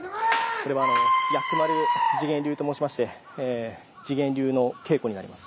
これは薬丸自顕流と申しまして自顕流の稽古になります。